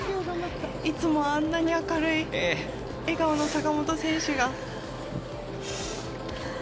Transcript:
いつも、あんなに明るい笑顔の坂本選手が。